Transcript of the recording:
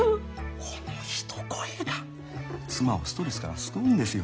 この一声が妻をストレスから救うんですよ。